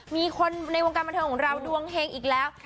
มีคนในวงการบันเทิงของเราดวงเฮงอีกแล้ว